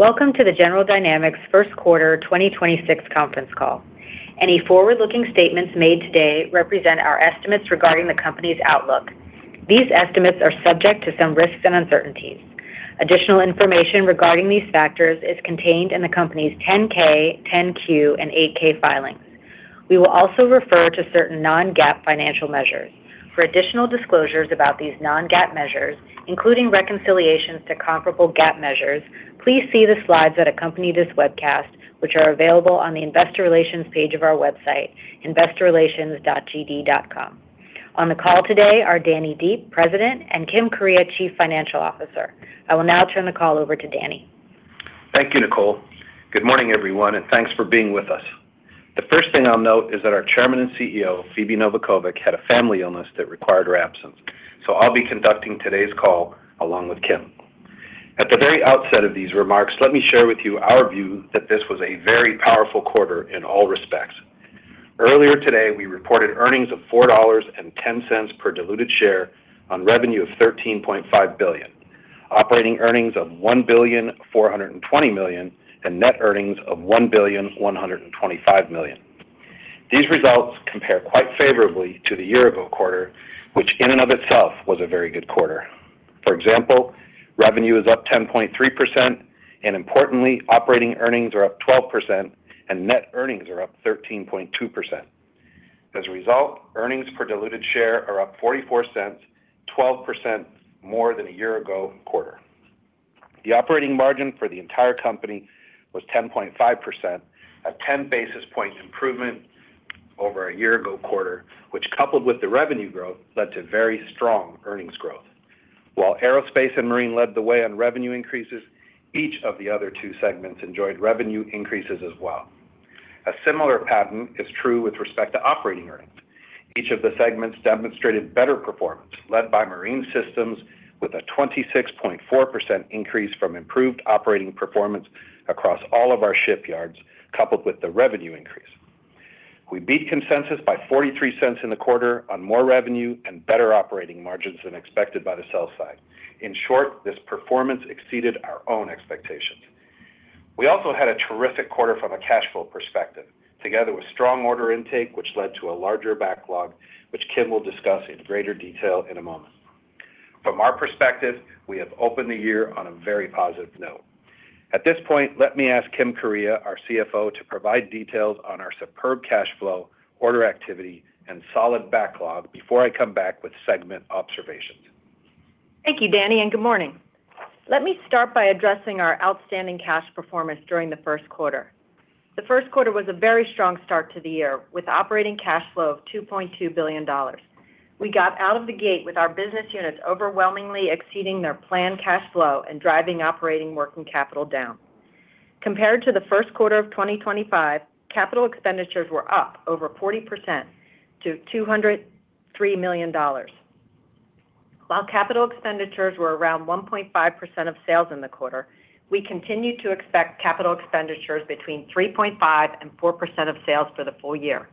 Welcome to the General Dynamics first quarter 2026 conference call. Any forward-looking statements made today represent our estimates regarding the company's outlook. These estimates are subject to some risks and uncertainties. Additional information regarding these factors is contained in the company's 10-K, 10-Q, and 8-K filings. We will also refer to certain non-GAAP financial measures. For additional disclosures about these non-GAAP measures, including reconciliations to comparable GAAP measures, please see the slides that accompany this webcast, which are available on the Investor Relations page of our website, investorrelations.gd.com. On the call today are Danny Deep, President, and Kim Kuryea, Chief Financial Officer. I will now turn the call over to Danny. Thank you, Nicole. Good morning, everyone, and thanks for being with us. The first thing I'll note is that our Chairman and CEO, Phebe Novakovic, had a family illness that required her absence. I'll be conducting today's call along with Kim. At the very outset of these remarks, let me share with you our view that this was a very powerful quarter in all respects. Earlier today, we reported earnings of $4.10 per diluted share on revenue of $13.5 billion, operating earnings of $1.42 billion, and net earnings of $1.125 billion. These results compare quite favorably to the year-ago quarter, which in and of itself was a very good quarter. For example, revenue is up 10.3%, and importantly, operating earnings are up 12%, and net earnings are up 13.2%. As a result, earnings per diluted share are up $0.44, 12% more than a year-ago quarter. The operating margin for the entire company was 10.5%, a 10 basis point improvement over a year-ago quarter, which coupled with the revenue growth led to very strong earnings growth. While Aerospace and Marine led the way on revenue increases, each of the other two segments enjoyed revenue increases as well. A similar pattern is true with respect to operating earnings. Each of the segments demonstrated better performance led by Marine Systems with a 26.4% increase from improved operating performance across all of our shipyards, coupled with the revenue increase. We beat consensus by $0.43 in the quarter on more revenue and better operating margins than expected by the sell side. In short, this performance exceeded our own expectations. We also had a terrific quarter from a cash flow perspective, together with strong order intake which led to a larger backlog, which Kim will discuss in greater detail in a moment. From our perspective, we have opened the year on a very positive note. At this point, let me ask Kim Kuryea, our CFO, to provide details on our superb cash flow, order activity, and solid backlog before I come back with segment observations. Thank you, Danny, and good morning. Let me start by addressing our outstanding cash performance during the first quarter. The first quarter was a very strong start to the year with operating cash flow of $2.2 billion. We got out of the gate with our business units overwhelmingly exceeding their planned cash flow and driving operating working capital down. Compared to the first quarter of 2025, capital expenditures were up over 40% to $203 million. While capital expenditures were around 1.5% of sales in the quarter, we continue to expect capital expenditures between 3.5% and 4% of sales for the full year.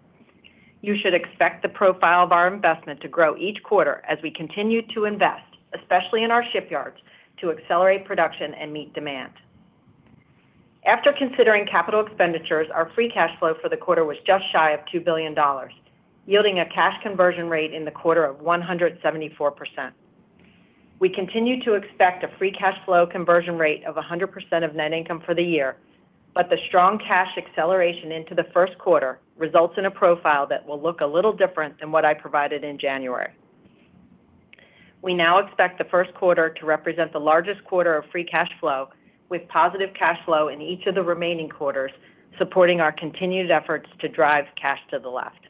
You should expect the profile of our investment to grow each quarter as we continue to invest, especially in our shipyards, to accelerate production and meet demand. After considering capital expenditures, our free cash flow for the quarter was just shy of $2 billion, yielding a cash conversion rate in the quarter of 174%. We continue to expect a free cash flow conversion rate of 100% of net income for the year, but the strong cash acceleration into the first quarter results in a profile that will look a little different than what I provided in January. We now expect the first quarter to represent the largest quarter of free cash flow with positive cash flow in each of the remaining quarters supporting our continued efforts to drive cash to the left.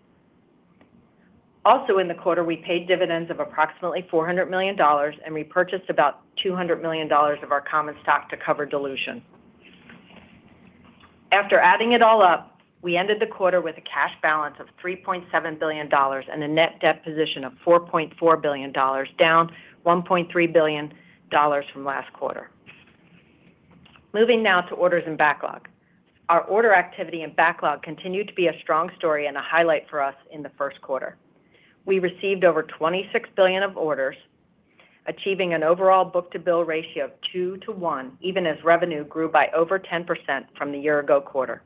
Also in the quarter, we paid dividends of approximately $400 million and repurchased about $200 million of our common stock to cover dilution. After adding it all up, we ended the quarter with a cash balance of $3.7 billion and a net debt position of $4.4 billion, down $1.3 billion from last quarter. Moving now to orders and backlog. Our order activity and backlog continued to be a strong story and a highlight for us in the first quarter. We received over $26 billion of orders, achieving an overall book-to-bill ratio of 2:1, even as revenue grew by over 10% from the year-ago quarter.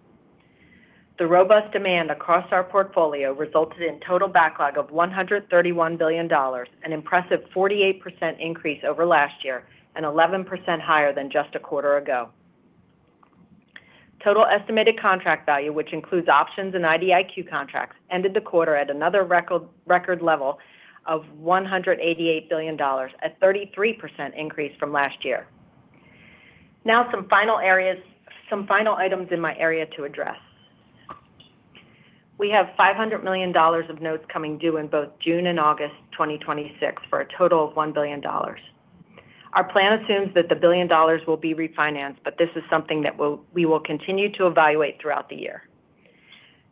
The robust demand across our portfolio resulted in total backlog of $131 billion, an impressive 48% increase over last year and 11% higher than just a quarter ago. Total estimated contract value, which includes options and IDIQ contracts, ended the quarter at another record level of $188 billion, a 33% increase from last year. Some final items in my area to address. We have $500 million of notes coming due in both June and August 2026 for a total of $1 billion. Our plan assumes that the $1 billion will be refinanced, but this is something that we will continue to evaluate throughout the year.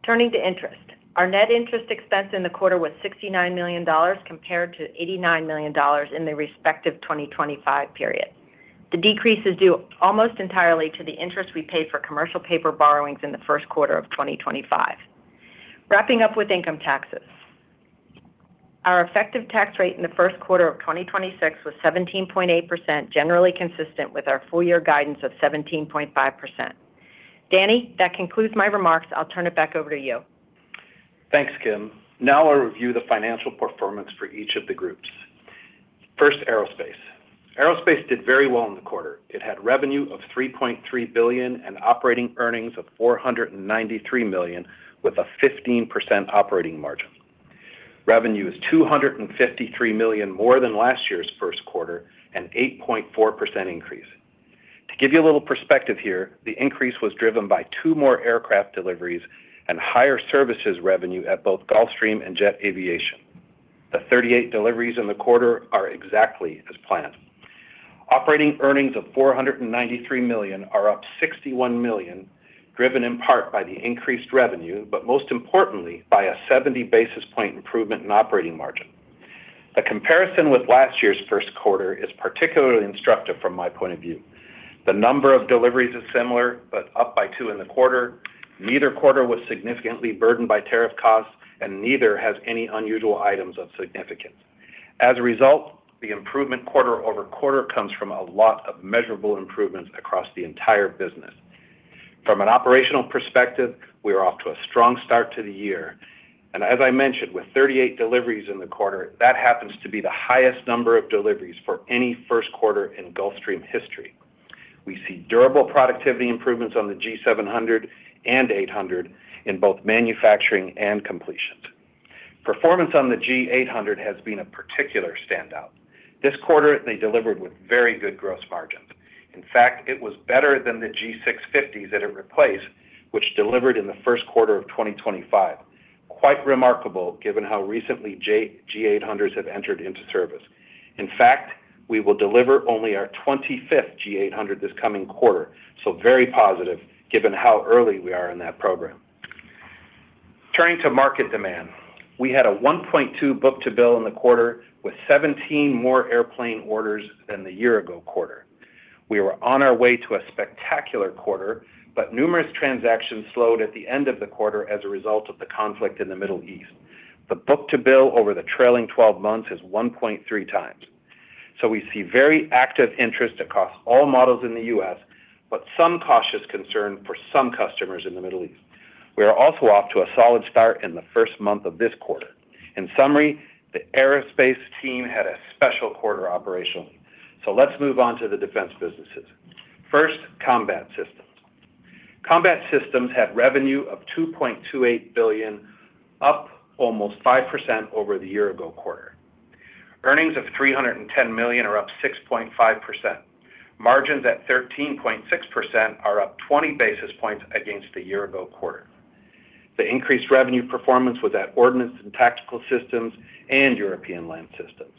Turning to interest. Our net interest expense in the quarter was $69 million compared to $89 million in the respective 2025 period. The decrease is due almost entirely to the interest we paid for commercial paper borrowings in the first quarter of 2025. Wrapping up with income taxes. Our effective tax rate in the first quarter of 2026 was 17.8%, generally consistent with our full-year guidance of 17.5%. Danny, that concludes my remarks. I'll turn it back over to you. Thanks, Kim. I'll review the financial performance for each of the groups. First, Aerospace. Aerospace did very well in the quarter. It had revenue of $3.3 billion and operating earnings of $493 million with a 15% operating margin. Revenue is $253 million more than last year's first quarter, an 8.4% increase. To give you a little perspective here, the increase was driven by two more aircraft deliveries and higher services revenue at both Gulfstream and Jet Aviation. The 38 deliveries in the quarter are exactly as planned. Operating earnings of $493 million are up $61 million, driven in part by the increased revenue, but most importantly, by a 70 basis point improvement in operating margin. The comparison with last year's first quarter is particularly instructive from my point of view. The number of deliveries is similar, but up by 2 in the quarter. Neither quarter was significantly burdened by tariff costs, and neither has any unusual items of significance. As a result, the improvement quarter-over-quarter comes from a lot of measurable improvements across the entire business. From an operational perspective, we are off to a strong start to the year. As I mentioned, with 38 deliveries in the quarter, that happens to be the highest number of deliveries for any first quarter in Gulfstream history. We see durable productivity improvements on the G700 and 800 in both manufacturing and completions. Performance on the G800 has been a particular standout. This quarter, they delivered with very good gross margins. In fact, it was better than the G650s that it replaced, which delivered in the first quarter of 2025. Quite remarkable given how recently G800s have entered into service. In fact, we will deliver only our 25th G800 this coming quarter, so very positive given how early we are in that program. Turning to market demand, we had a 1.2x book-to-bill in the quarter with 17 more airplane orders than the year-ago quarter. We were on our way to a spectacular quarter. Numerous transactions slowed at the end of the quarter as a result of the conflict in the Middle East. The book-to-bill over the trailing 12 months is 1.3x. We see very active interest across all models in the U.S., but some cautious concern for some customers in the Middle East. We are also off to a solid start in the first month of this quarter. In summary, the Aerospace team had a special quarter operationally. Let's move on to the Defense businesses. First, Combat Systems. Combat Systems had revenue of $2.28 billion, up almost 5% over the year-ago quarter. Earnings of $310 million are up 6.5%. Margins at 13.6% are up 20 basis points against the year-ago quarter. The increased revenue performance was at Ordnance and Tactical Systems and European Land Systems.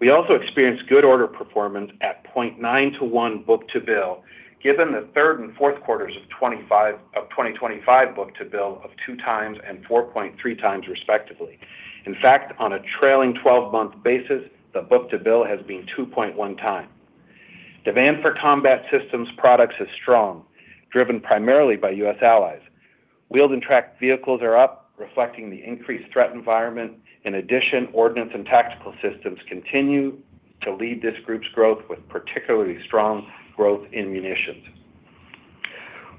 We also experienced good order performance at 0.9 to 1 book-to-bill, given the third and fourth quarters of 2025 book-to-bill of 2x and 4.3x, respectively. In fact, on a trailing twelve-month basis, the book-to-bill has been 2.1x. Demand for Combat Systems products is strong, driven primarily by U.S. allies. Wheeled and tracked vehicles are up, reflecting the increased threat environment. In addition, Ordnance and Tactical Systems continue to lead this group's growth with particularly strong growth in munitions.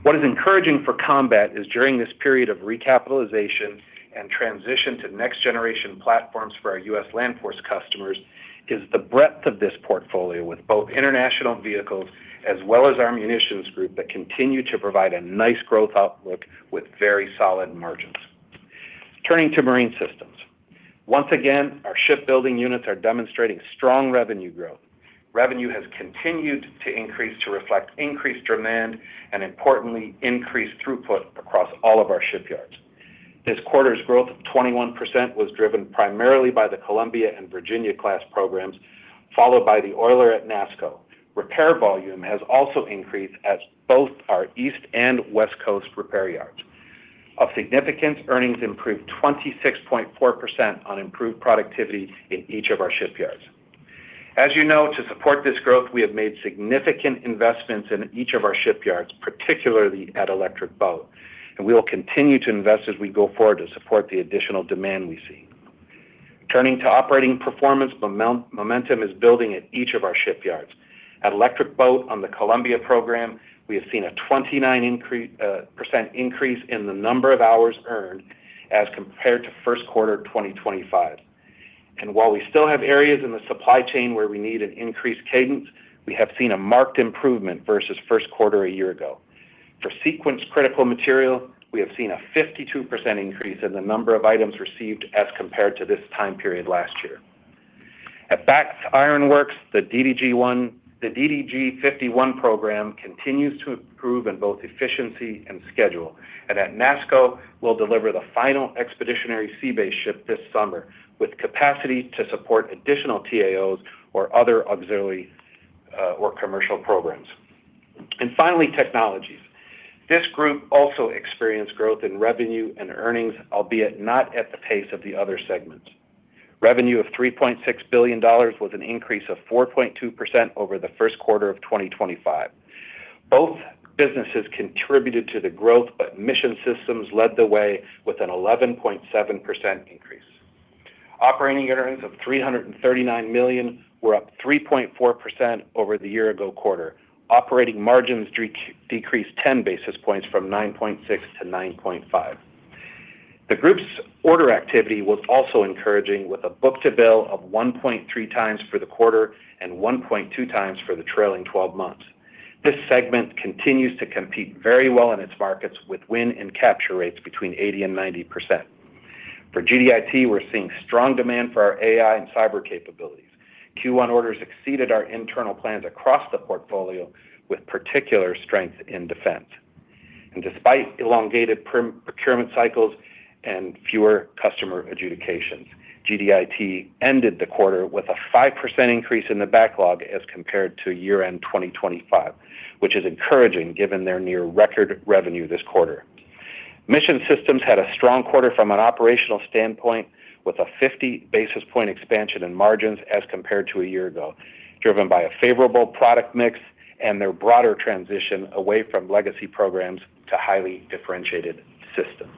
What is encouraging for Combat is during this period of recapitalization and transition to next-generation platforms for our U.S. Land Force customers is the breadth of this portfolio with both international vehicles as well as our Munitions group that continue to provide a nice growth outlook with very solid margins. Turning to Marine Systems. Once again, our shipbuilding units are demonstrating strong revenue growth. Revenue has continued to increase to reflect increased demand and, importantly, increased throughput across all of our shipyards. This quarter's growth of 21% was driven primarily by the Columbia- and Virginia-class programs, followed by the oiler at NASSCO. Repair volume has also increased at both our East and West Coast repair yards. Of significance, earnings improved 26.4% on improved productivity in each of our shipyards. As you know, to support this growth, we have made significant investments in each of our shipyards, particularly at Electric Boat, and we will continue to invest as we go forward to support the additional demand we see. Turning to operating performance, momentum is building at each of our shipyards. At Electric Boat on the Columbia program, we have seen a 29% increase in the number of hours earned as compared to first quarter of 2025. While we still have areas in the supply chain where we need an increased cadence, we have seen a marked improvement versus first quarter a year ago. For sequence-critical material, we have seen a 52% increase in the number of items received as compared to this time period last year. At Bath Iron Works, the DDG-51 program continues to improve in both efficiency and schedule. At NASSCO, we'll deliver the final Expeditionary Sea Base ship this summer with capacity to support additional T-AOs or other auxiliary or commercial programs. Finally, Technologies. This group also experienced growth in revenue and earnings, albeit not at the pace of the other segments. Revenue of $3.6 billion was an increase of 4.2% over the first quarter of 2025. Both businesses contributed to the growth, Mission Systems led the way with an 11.7% increase. Operating earnings of $339 million were up 3.4% over the year ago quarter. Operating margins decreased 10 basis points from 9.6% to 9.5%. The group's order activity was also encouraging, with a book-to-bill of 1.3x for the quarter and 1.2x for the trailing 12 months. This segment continues to compete very well in its markets, with win and capture rates between 80% and 90%. For GDIT, we're seeing strong demand for our AI and cyber capabilities. Q1 orders exceeded our internal plans across the portfolio, with particular strength in defense. Despite elongated procurement cycles and fewer customer adjudications, GDIT ended the quarter with a 5% increase in the backlog as compared to year-end 2025, which is encouraging given their near record revenue this quarter. Mission Systems had a strong quarter from an operational standpoint, with a 50 basis point expansion in margins as compared to a year ago, driven by a favorable product mix and their broader transition away from legacy programs to highly differentiated systems.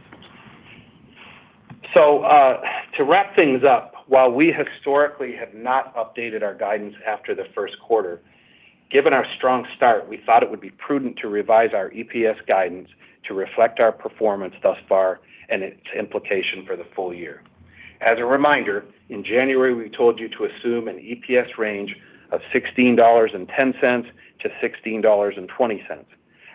To wrap things up, while we historically have not updated our guidance after the first quarter, given our strong start, we thought it would be prudent to revise our EPS guidance to reflect our performance thus far and its implication for the full year. As a reminder, in January, we told you to assume an EPS range of $16.10-$16.20.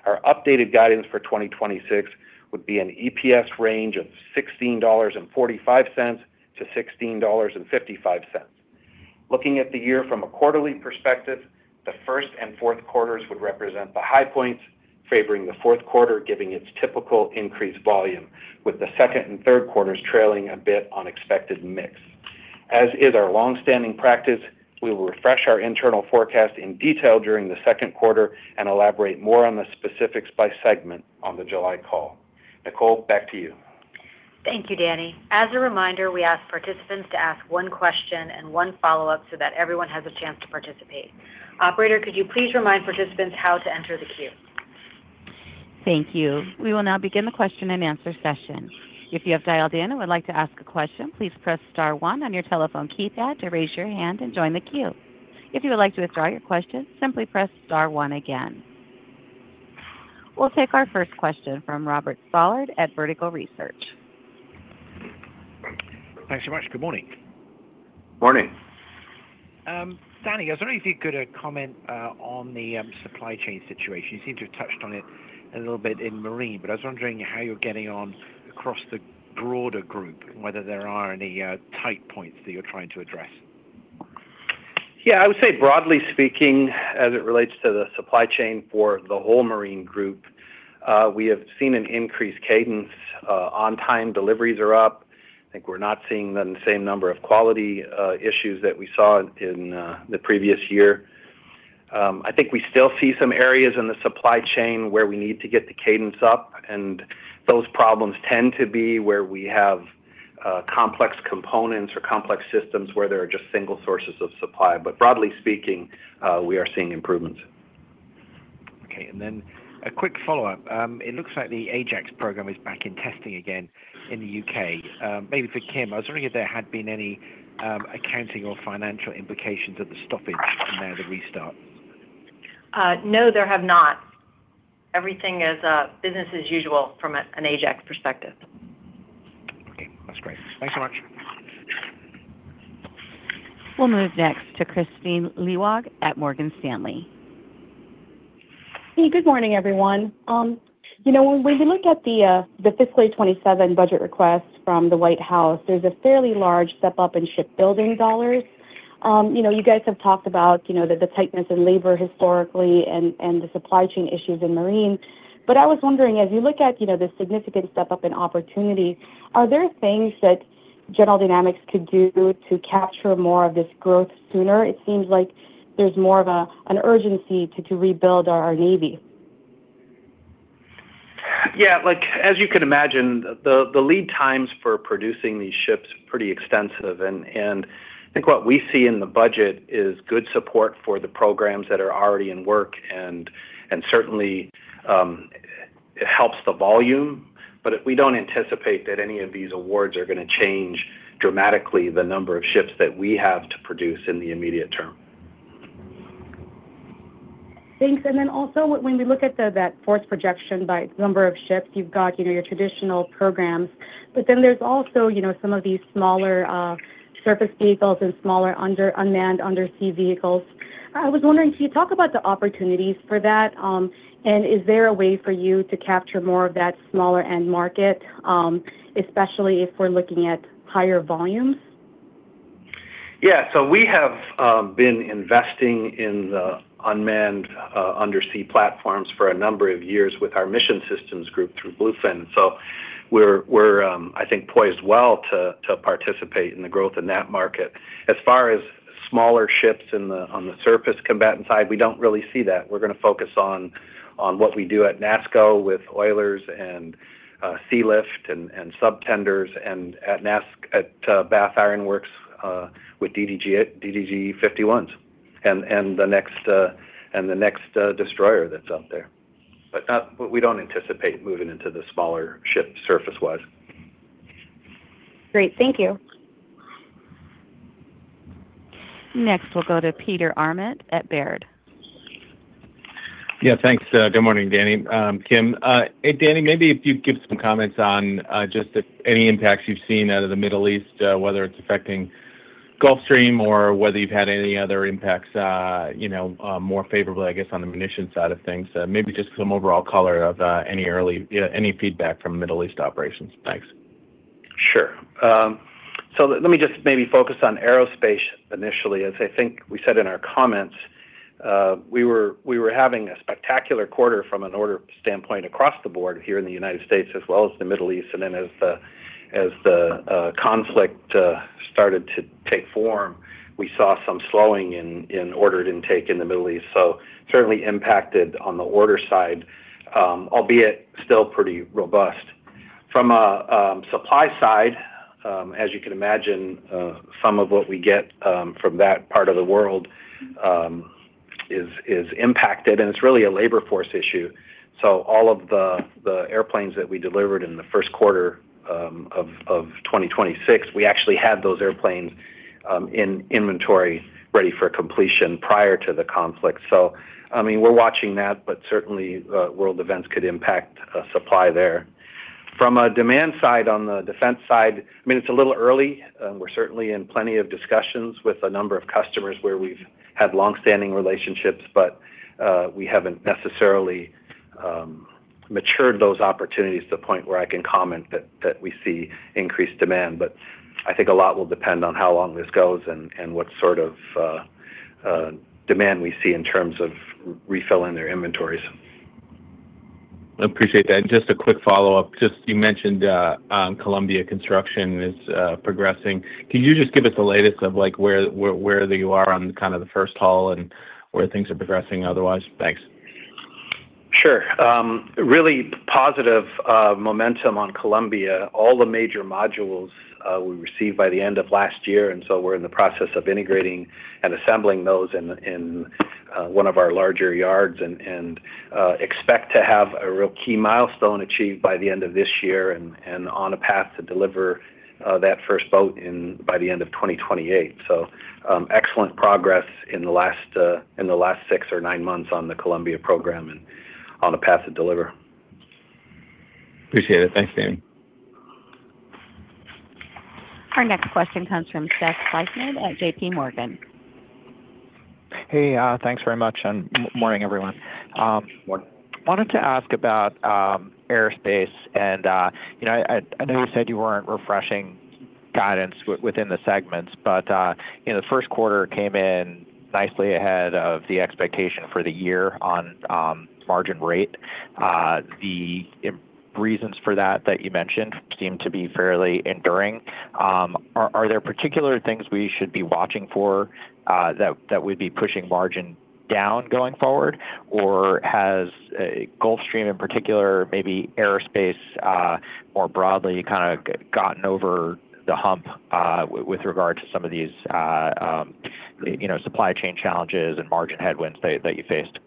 Our updated guidance for 2026 would be an EPS range of $16.45-$16.55. Looking at the year from a quarterly perspective, the first and fourth quarters would represent the high points, favoring the fourth quarter, given its typical increased volume, with the second and third quarters trailing a bit on expected mix. As is our long-standing practice, we will refresh our internal forecast in detail during the second quarter and elaborate more on the specifics by segment on the July call. Nicole, back to you. Thank you, Danny. As a reminder, we ask participants to ask one question and one follow-up so that everyone has a chance to participate. Operator, could you please remind participants how to enter the queue? Thank you. We will now begin the question and answer session. If you have dialed in and would like to ask a question, please press star one on your telephone keypad to raise your hand and join the queue. If you would like to withdraw your question, simply press star one again. We will take our first question from Robert Stallard at Vertical Research. Thanks so much. Good morning. Morning. Danny, I was wondering if you could comment on the supply chain situation. You seem to have touched on it a little bit in Marine Systems, but I was wondering how you're getting on across the broader group, whether there are any tight points that you're trying to address. Yeah, I would say broadly speaking, as it relates to the supply chain for the whole Marine group, we have seen an increased cadence, on-time deliveries are up. I think we're not seeing the same number of quality issues that we saw in the previous year. I think we still see some areas in the supply chain where we need to get the cadence up, and those problems tend to be where we have complex components or complex systems where there are just single sources of supply. Broadly speaking, we are seeing improvements. Okay, a quick follow-up. It looks like the Ajax program is back in testing again in the U.K. Maybe for Kim, I was wondering if there had been any accounting or financial implications of the stoppage from there, the restart. No, there have not. Everything is business as usual from an Ajax perspective. Okay, that's great. Thanks so much. We'll move next to Kristine Liwag at Morgan Stanley. Hey, good morning, everyone. You know, when we look at the fiscal 2027 budget request from the White House, there's a fairly large step up in shipbuilding dollars. You know, you guys have talked about, you know, the tightness in labor historically and the supply chain issues in Marine Systems. I was wondering, as you look at, you know, the significant step up in opportunity, are there things that General Dynamics could do to capture more of this growth sooner? It seems like there's more of an urgency to rebuild our U.S. Navy. Yeah, like, as you can imagine, the lead times for producing these ships are pretty extensive. I think what we see in the budget is good support for the programs that are already in work and certainly, it helps the volume. We don't anticipate that any of these awards are gonna change dramatically the number of ships that we have to produce in the immediate term. Thanks. Also when we look at that force projection by number of ships, you've got, you know, your traditional programs, but there's also, you know, some of these smaller surface vehicles and smaller unmanned undersea vehicles. I was wondering, can you talk about the opportunities for that? Is there a way for you to capture more of that smaller end market, especially if we're looking at higher volumes? Yeah. We have been investing in the unmanned undersea platforms for a number of years with our Mission Systems group through Bluefin. We're, I think, poised well to participate in the growth in that market. As far as smaller ships on the surface combatant side, we don't really see that. We're going to focus on what we do at NASSCO with oilers and sealift and sub tenders and at Bath Iron Works with DDG-51s and the next destroyer that's out there. We don't anticipate moving into the smaller ship surface-wise. Great. Thank you. Next, we'll go to Peter Arment at Baird. Yeah, thanks. Good morning, Danny, Kim. Hey, Danny, maybe if you'd give some comments on just any impacts you've seen out of the Middle East, whether it's affecting Gulfstream or whether you've had any other impacts, you know, more favorably, I guess, on the munition side of things. Maybe just some overall color of any early feedback from Middle East operations. Thanks. Sure. Let me just maybe focus on aerospace initially, as I think we said in our comments. We were having a spectacular quarter from an order standpoint across the board here in the U.S., as well as the Middle East. As the conflict started to take form, we saw some slowing in ordered intake in the Middle East. Certainly impacted on the order side, albeit still pretty robust. From a supply side, as you can imagine, some of what we get from that part of the world is impacted, and it's really a labor force issue. All of the airplanes that we delivered in the first quarter of 2026, we actually had those airplanes in inventory ready for completion prior to the conflict. I mean, we're watching that, but certainly, world events could impact, supply there. From a demand side on the defense side, I mean, it's a little early. We're certainly in plenty of discussions with a number of customers where we've had long-standing relationships, but we haven't necessarily, matured those opportunities to the point where I can comment that we see increased demand. I think a lot will depend on how long this goes and, what sort of, demand we see in terms of refilling their inventories. Appreciate that. Just a quick follow-up. Just you mentioned, Columbia construction is progressing. Can you just give us the latest of, like, where you are on kind of the first hull and where things are progressing otherwise? Thanks. Sure. Really positive momentum on Columbia. All the major modules we received by the end of last year, and so we're in the process of integrating and assembling those in one of our larger yards and expect to have a real key milestone achieved by the end of this year and on a path to deliver that first boat in by the end of 2028. Excellent progress in the last six or nine months on the Columbia program and on a path to deliver. Appreciate it. Thanks, Danny Deep. Our next question comes from Seth Seifman at JPMorgan. Hey, thanks very much. Morning, everyone. Morning. Wanted to ask about aerospace and, you know, I know you said you weren't refreshing guidance within the segments, but, you know, the first quarter came in nicely ahead of the expectation for the year on margin rate. The reasons for that that you mentioned seem to be fairly enduring. Are there particular things we should be watching for that would be pushing margin down going forward? Or has Gulfstream in particular, maybe aerospace more broadly kind of gotten over the hump with regard to some of these, you know, supply chain challenges and margin headwinds that you faced?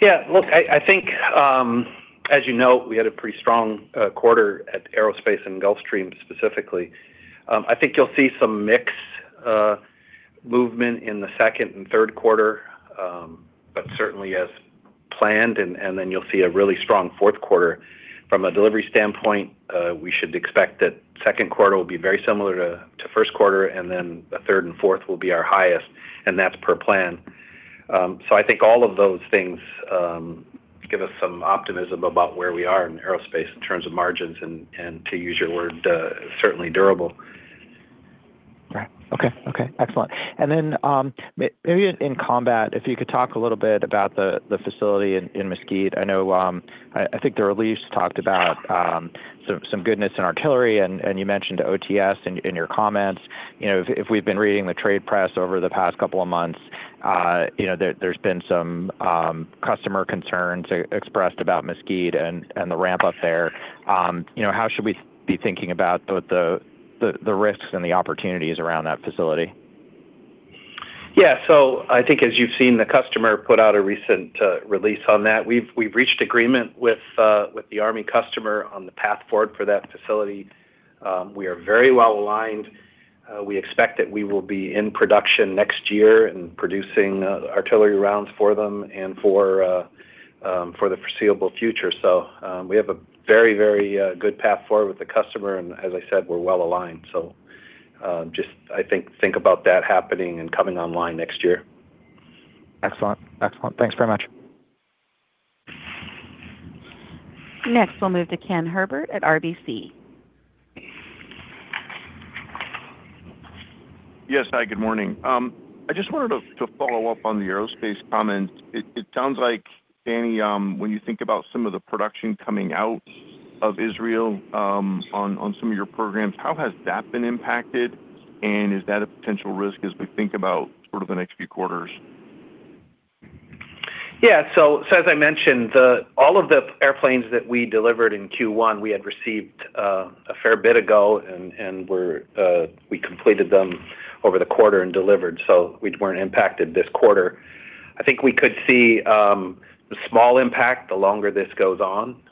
Yeah. Look, I think, as you know, we had a pretty strong quarter at aerospace and Gulfstream specifically. I think you'll see some mix movement in the second and third quarter, but certainly as planned, and then you'll see a really strong fourth quarter. From a delivery standpoint, we should expect that second quarter will be very similar to first quarter, and then the third and fourth will be our highest, and that's per plan. I think all of those things give us some optimism about where we are in aerospace in terms of margins and to use your word, certainly durable. Right. Okay. Okay. Excellent. Then maybe in Combat, if you could talk a little bit about the facility in Mesquite. I know, I think the release talked about some goodness in artillery and you mentioned OTS in your comments. You know, if we've been reading the trade press over the past couple of months, you know, there's been some customer concerns expressed about Mesquite and the ramp up there. You know, how should we be thinking about the risks and the opportunities around that facility? Yeah. I think as you've seen, the customer put out a recent release on that. We've reached agreement with the Army customer on the path forward for that facility. We are very well aligned. We expect that we will be in production next year and producing artillery rounds for them and for the foreseeable future. We have a very good path forward with the customer and as I said, we're well aligned. Just I think about that happening and coming online next year. Excellent. Excellent. Thanks very much. Next, we'll move to Ken Herbert at RBC. Yes. Hi, good morning. I just wanted to follow up on the aerospace comments. It sounds like, Danny, when you think about some of the production coming out of Israel, on some of your programs, how has that been impacted, and is that a potential risk as we think about sort of the next few quarters? Yeah. As I mentioned, all of the airplanes that we delivered in Q1, we had received a fair bit ago and we completed them over the quarter and delivered, so we weren't impacted this quarter. I think we could see a small impact the longer this goes on.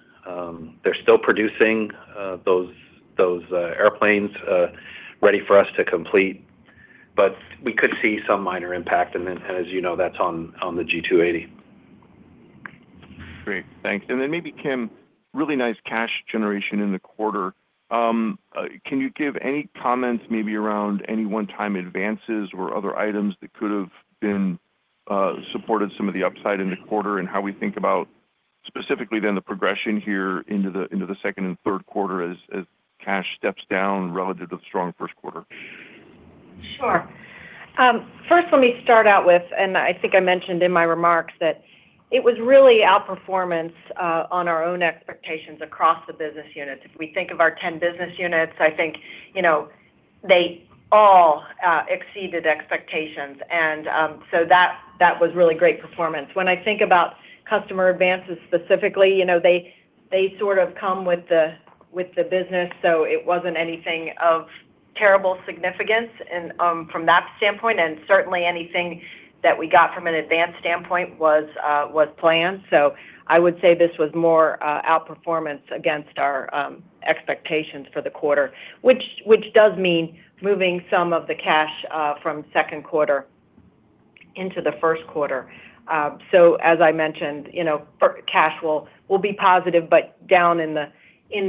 They're still producing those airplanes ready for us to complete. We could see some minor impact. As you know, that's on the Gulfstream G280. Great. Thanks. Maybe Kim, really nice cash generation in the quarter. Can you give any comments maybe around any one-time advances or other items that could have been supported some of the upside in the quarter, and how we think about specifically then the progression here into the second and third quarter as cash steps down relative to the strong first quarter? Sure. First let me start out with, and I think I mentioned in my remarks, that it was really outperformance on our own expectations across the business units. If we think of our 10 business units, I think, you know, they all exceeded expectations. So that was really great performance. When I think about customer advances specifically, you know, they sort of come with the, with the business, so it wasn't anything of terrible significance. From that standpoint, and certainly anything that we got from an advanced standpoint was planned. So I would say this was more outperformance against our expectations for the quarter, which does mean moving some of the cash from second quarter into the first quarter. As I mentioned, you know, cash will be positive, but down in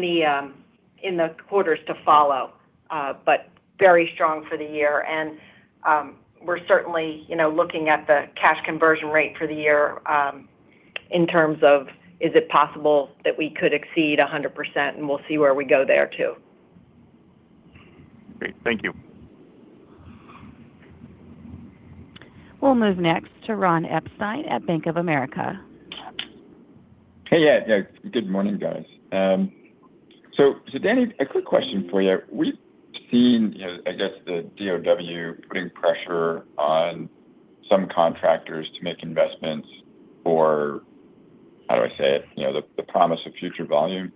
the quarters to follow. Very strong for the year. We're certainly, you know, looking at the cash conversion rate for the year, in terms of is it possible that we could exceed 100%, and we'll see where we go there too. Great. Thank you. We'll move next to Ron Epstein at Bank of America. Hey. Yeah, yeah. Good morning, guys. Danny, a quick question for you. We've seen, you know, I guess, the DoD putting pressure on some contractors to make investments for, how do I say it, you know, the promise of future volume.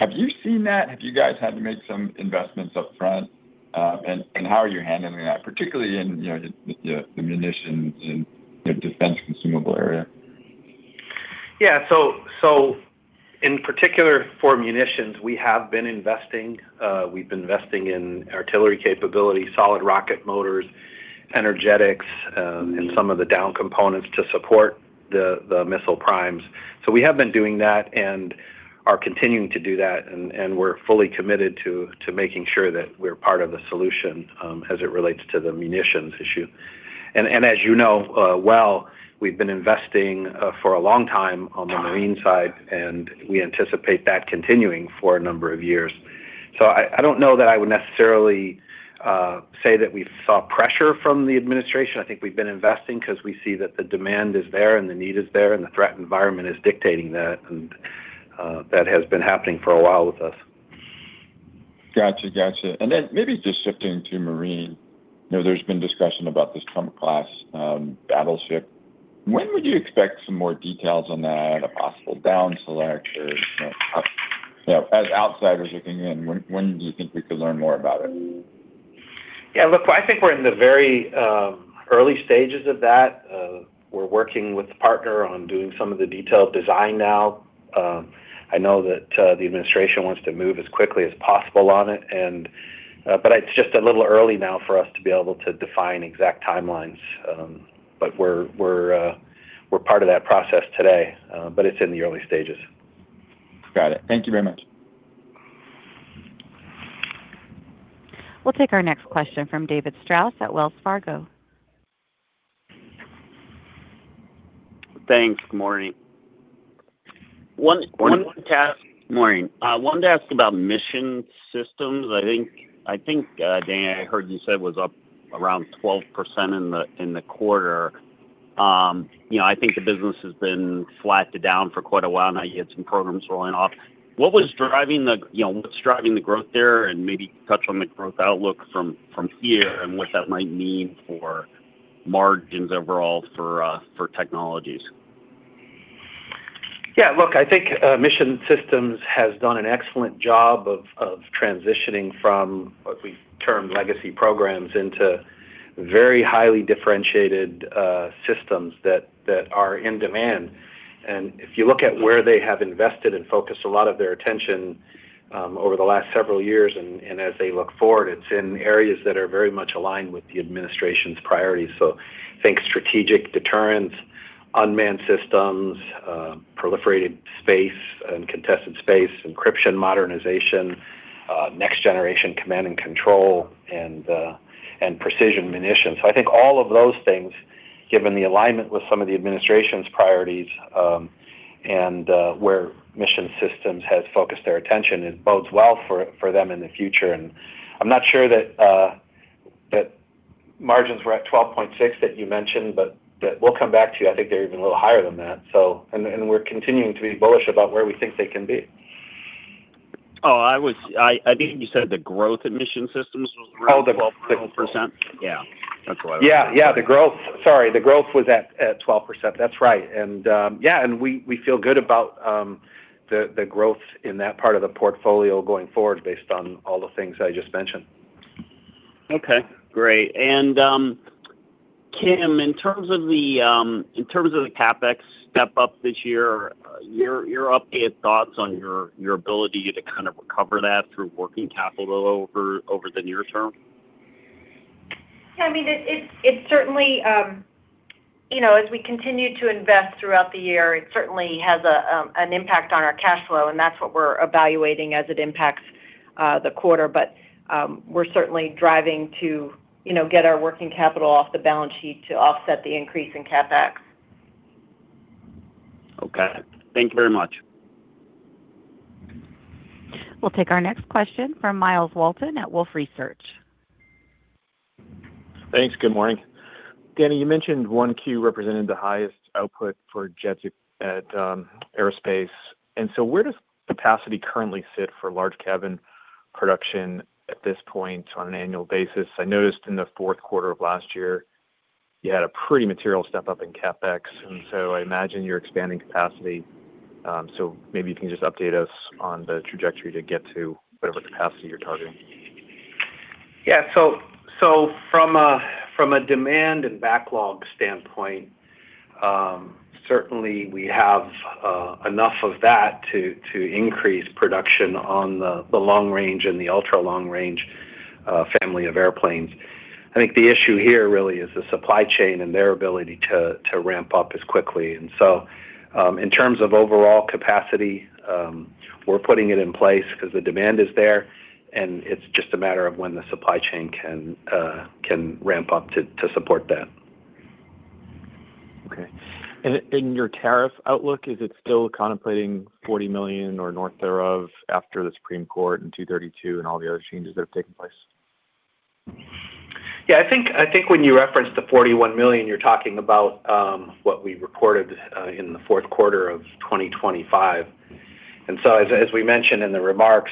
Have you seen that? Have you guys had to make some investments up front? How are you handling that, particularly in, you know, the munitions and, you know, defense consumable area? In particular for munitions, we have been investing. We've been investing in artillery capability, solid rocket motors, energetics, and some of the down components to support the missile primes. We have been doing that, and are continuing to do that, and we're fully committed to making sure that we're part of the solution as it relates to the munitions issue. As you know, well, we've been investing for a long time on the marine side, and we anticipate that continuing for a number of years. I don't know that I would necessarily say that we saw pressure from the administration. I think we've been investing because we see that the demand is there, and the need is there, and the threat environment is dictating that, and that has been happening for a while with us. Gotcha. Gotcha. Maybe just shifting to Marine. You know, there's been discussion about this Trump-class battleship. When would you expect some more details on that, a possible down select or, you know, as outsiders looking in, when do you think we could learn more about it? Yeah. Look, I think we're in the very early stages of that. We're working with the partner on doing some of the detailed design now. I know that the administration wants to move as quickly as possible on it and it's just a little early now for us to be able to define exact timelines. We're part of that process today, but it's in the early stages. Got it. Thank you very much. We'll take our next question from David Strauss at Wells Fargo. Thanks. Morning. Morning I wanted to ask about Mission Systems. Dan, I heard you said was up around 12% in the quarter. You know, I think the business has been flat to down for quite a while now. You had some programs rolling off. You know, what's driving the growth there? Maybe touch on the growth outlook from here and what that might mean for margins overall for Technologies. Yeah. Look, I think Mission Systems has done an excellent job of transitioning from what we've termed legacy programs into very highly differentiated systems that are in demand. If you look at where they have invested and focused a lot of their attention over the last several years and as they look forward, it's in areas that are very much aligned with the administration's priorities. Think strategic deterrence, unmanned systems, proliferated space and contested space, encryption modernization, next generation command and control, and precision munitions. I think all of those things, given the alignment with some of the administration's priorities, and where Mission Systems has focused their attention, it bodes well for them in the future. I'm not sure that margins were at 12.6% that you mentioned, but that we'll come back to you. I think they're even a little higher than that, we're continuing to be bullish about where we think they can be. Oh, I think you said the growth in Mission Systems was around. Oh, the growth. 12%. Yeah. Yeah, yeah, the growth. Sorry. The growth was at 12%. That's right. We feel good about the growth in that part of the portfolio going forward based on all the things I just mentioned. Okay, great. Kim, in terms of the CapEx step up this year, your updated thoughts on your ability to kind of recover that through working capital over the near term? Yeah, I mean, it certainly, you know, as we continue to invest throughout the year, it certainly has an impact on our cash flow, and that's what we're evaluating as it impacts the quarter. We're certainly driving to, you know, get our working capital off the balance sheet to offset the increase in CapEx. Okay. Thank you very much. We'll take our next question from Myles Walton at Wolfe Research. Thanks. Good morning. Danny, you mentioned 1Q representing the highest output for jets at Gulfstream. Where does capacity currently sit for large cabin production at this point on an annual basis? I noticed in the fourth quarter of last year, you had a pretty material step up in CapEx, I imagine you're expanding capacity. Maybe you can just update us on the trajectory to get to whatever capacity you're targeting. From a, from a demand and backlog standpoint, certainly we have enough of that to increase production on the long-range and the ultra-long range family of airplanes. I think the issue here really is the supply chain and their ability to ramp up as quickly. In terms of overall capacity, we're putting it in place because the demand is there, and it's just a matter of when the supply chain can ramp up to support that. Okay. In your tariff outlook, is it still contemplating $40 million or north thereof after the Supreme Court and Section 232 and all the other changes that have taken place? Yeah. I think when you reference the $41 million, you're talking about what we reported in the fourth quarter of 2025. As we mentioned in the remarks,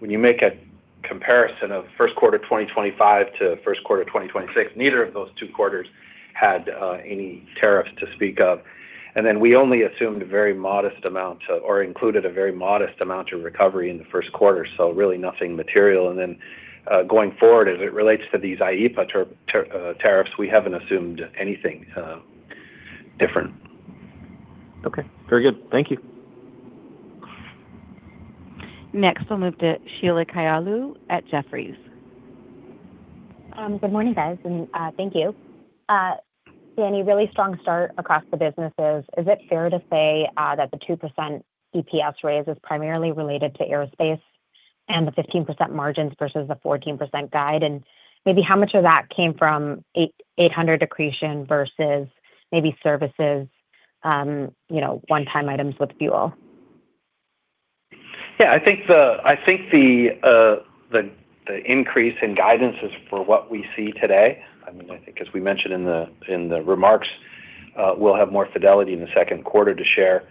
when you make a comparison of first quarter 2025 to first quarter of 2026, neither of those two quarters had any tariffs to speak of. We only assumed a very modest amount or included a very modest amount of recovery in the first quarter, so really nothing material. Going forward, as it relates to these IEEPA tariffs, we haven't assumed anything different. Okay. Very good. Thank you. We'll move to Sheila Kahyaoglu at Jefferies. Good morning, guys, thank you. Danny, really strong start across the businesses. Is it fair to say that the 2% EPS raise is primarily related to Aerospace and the 15% margins versus the 14% guide? Maybe how much of that came from 800 accretion versus maybe services, you know, one-time items with fuel? I think the increase in guidance is for what we see today. I mean, I think as we mentioned in the remarks, we'll have more fidelity in the second quarter to share.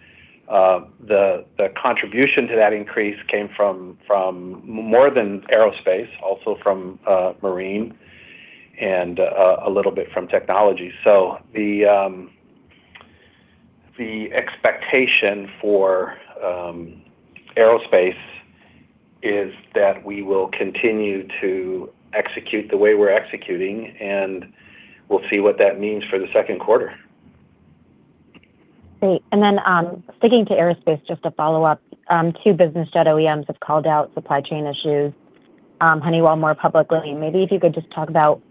The contribution to that increase came from more than Aerospace, also from Marine and a little bit from Technologies. The expectation for Aerospace is that we will continue to execute the way we're executing, and we'll see what that means for the second quarter. Great. Sticking to aerospace, just to follow up, two business jet OEMs have called out supply chain issues, Honeywell more publicly. Maybe if you could just talk about,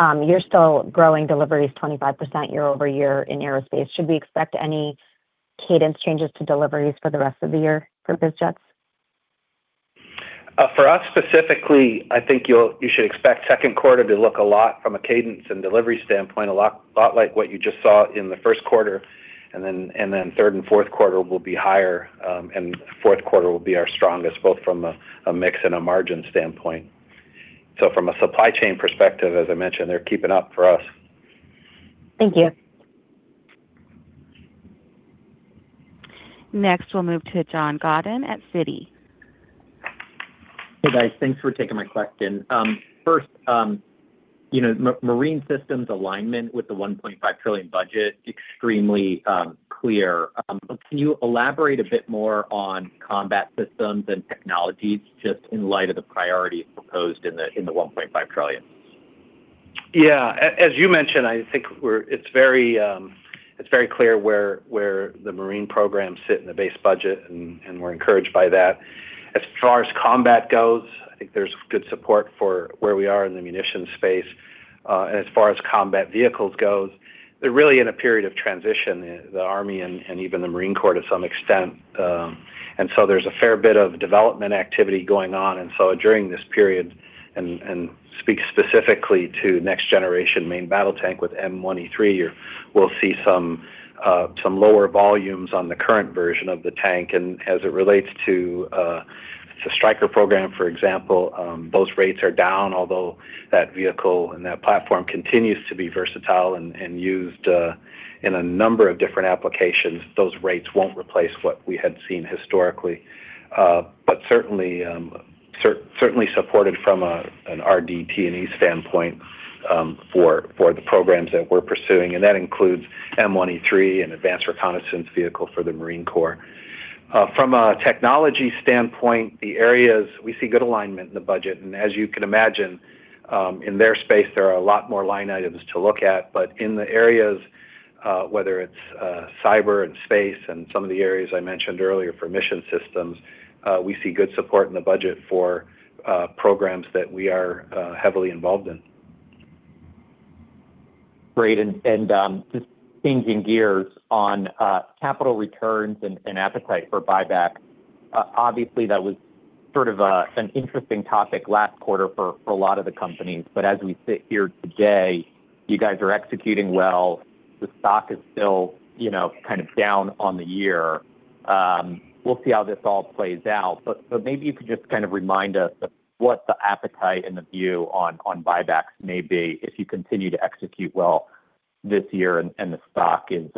you're still growing deliveries 25% year-over-year in aerospace. Should we expect any cadence changes to deliveries for the rest of the year for biz jets? For us specifically, I think you should expect second quarter to look a lot from a cadence and delivery standpoint, a lot like what you just saw in the first quarter. Then, third and fourth quarter will be higher, and fourth quarter will be our strongest, both from a mix and a margin standpoint. From a supply chain perspective, as I mentioned, they're keeping up for us. Thank you. Next, we'll move to John Godyn at Citi. Hey, guys. Thanks for taking my question. first, you know, Marine Systems alignment with the $1.5 trillion budget, extremely clear. can you elaborate a bit more on Combat Systems and Technologies just in light of the priorities proposed in the, in the $1.5 trillion? Yeah. As you mentioned, I think it's very clear where the Marine programs sit in the base budget, and we're encouraged by that. As far as combat goes, I think there's good support for where we are in the munition space. As far as combat vehicles goes, they're really in a period of transition, the Army and even the Marine Corps to some extent. There's a fair bit of development activity going on. During this period, and speak specifically to next generation main battle tank with M1E3, we'll see some lower volumes on the current version of the tank. As it relates to the Stryker program, for example, those rates are down. Although that vehicle and that platform continues to be versatile and used in a number of different applications, those rates won't replace what we had seen historically. Certainly supported from an RDT&E standpoint for the programs that we're pursuing, and that includes M1E3 and Advanced Reconnaissance Vehicle for the Marine Corps. From a technology standpoint, the areas, we see good alignment in the budget. As you can imagine, in their space, there are a lot more line items to look at. In the areas, whether it's cyber and space and some of the areas I mentioned earlier for Mission Systems, we see good support in the budget for programs that we are heavily involved in. Great. Just changing gears on capital returns and appetite for buyback, obviously, that was sort of a, an interesting topic last quarter for a lot of the companies. As we sit here today, you guys are executing well, the stock is still, you know, kind of down on the year. We'll see how this all plays out. Maybe you could just kind of remind us of what the appetite and the view on buybacks may be if you continue to execute well this year and the stock is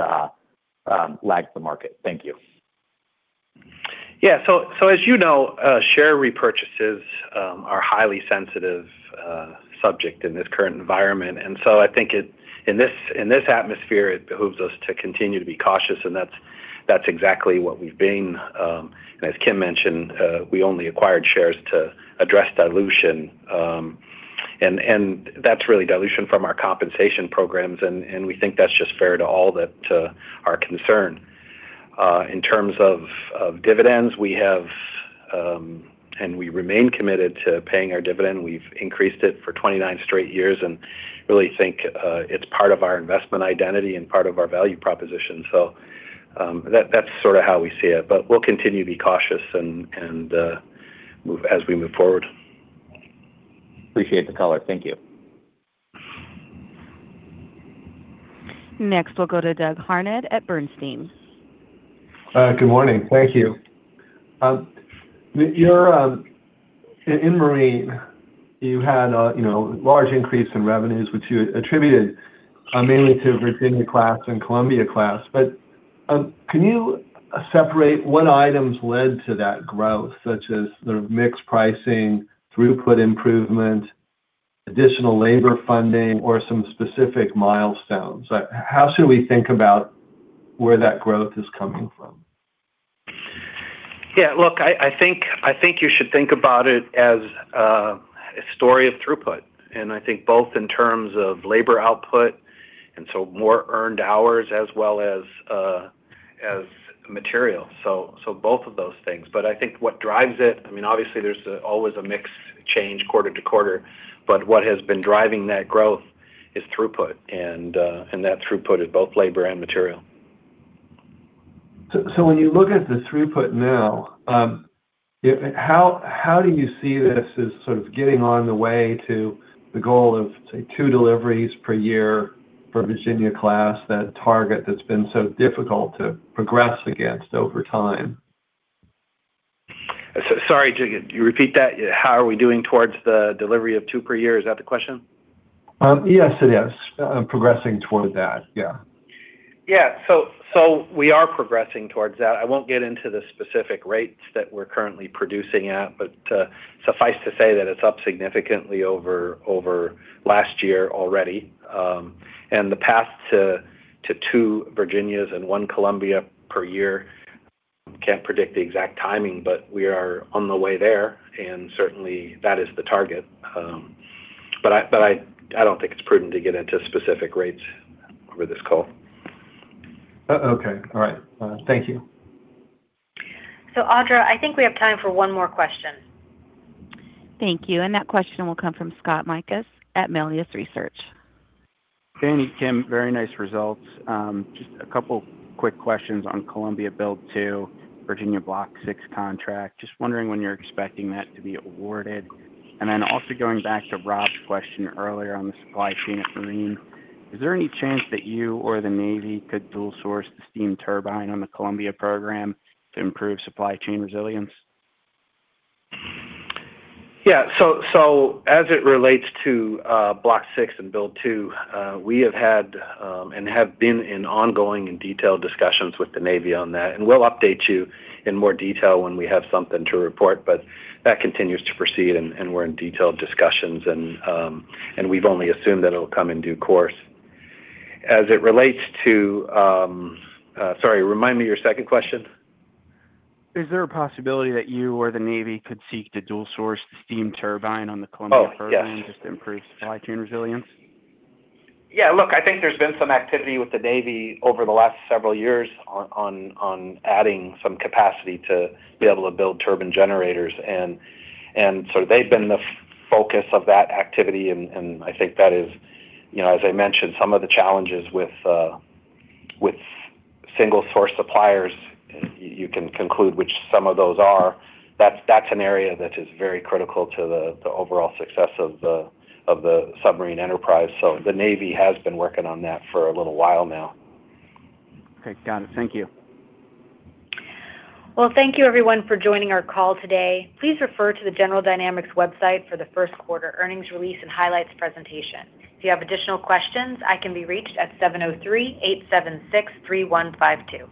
lags the market. Thank you. Yeah. As you know, share repurchases are a highly sensitive subject in this current environment. I think in this atmosphere, it behooves us to continue to be cautious, and that's exactly what we've been. As Kim mentioned, we only acquired shares to address dilution. That's really dilution from our compensation programs, and we think that's just fair to all that are concerned. In terms of dividends, we have, we remain committed to paying our dividend. We've increased it for 29 straight years, really think it's part of our investment identity and part of our value proposition. That's sorta how we see it. We'll continue to be cautious and move as we move forward. Appreciate the color. Thank you. Next, we'll go to Doug Harned at Bernstein. Good morning. Thank you. In Marine, you had a, you know, large increase in revenues which you attributed, mainly to Virginia-class and Columbia-class. Can you separate what items led to that growth, such as the mix, pricing, throughput improvement, additional labor funding, or some specific milestones? How should we think about where that growth is coming from? Yeah. Look, I think, I think you should think about it as a story of throughput, and I think both in terms of labor output, and so more earned hours as well as material. Both of those things. I think what drives it, I mean, obviously, there's always a mix change quarter to quarter, but what has been driving that growth is throughput. That throughput is both labor and material. When you look at the throughput now, how do you see this as sort of getting on the way to the goal of, say, two deliveries per year for Virginia-class submarine, that target that's been so difficult to progress against over time? Sorry, do you, could you repeat that? How are we doing towards the delivery of two per year? Is that the question? Yes, it is progressing towards that. Yeah. Yeah. We are progressing towards that. I won't get into the specific rates that we're currently producing at, but suffice to say that it's up significantly over last year already. The path to two Virginias and one Columbia per year, can't predict the exact timing, but we are on the way there, and certainly, that is the target. I don't think it's prudent to get into specific rates over this call. Okay. All right. Thank you. Audra, I think we have time for one more question. Thank you. That question will come from Scott Mikus at Melius Research. Danny, Kim, very nice results. Just a couple quick questions on Columbia-class Build II, Virginia-class Block VI contract. Just wondering when you're expecting that to be awarded. Also going back to Rob's question earlier on the supply chain at Marine. Is there any chance that you or the Navy could dual source the steam turbine on the Columbia program to improve supply chain resilience? As it relates to Block VI and Build II, we have had and have been in ongoing and detailed discussions with the Navy on that. We'll update you in more detail when we have something to report. That continues to proceed and we're in detailed discussions and we've only assumed that it'll come in due course. As it relates to, sorry, remind me your second question. Is there a possibility that you or the Navy could seek to dual source the steam turbine on the Columbia program? Oh, yes. just to improve supply chain resilience? Yeah. Look, I think there's been some activity with the Navy over the last several years on adding some capacity to be able to build turbine generators. So they've been the focus of that activity and I think that is, you know, as I mentioned, some of the challenges with single source suppliers, you can conclude which some of those are. That's an area that is very critical to the overall success of the submarine enterprise. The Navy has been working on that for a little while now. Okay. Got it. Thank you. Well, thank you everyone for joining our call today. Please refer to the General Dynamics website for the first quarter earnings release and highlights presentation. If you have additional questions, I can be reached at 703-876-3152.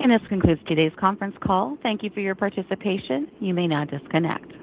And this concludes today's conference call. Thank you for your participation. You may now disconnect.